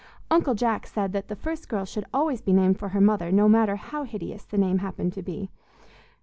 Uncle Jack said that the first girl should always be named for her mother, no matter how hideous the name happened to be.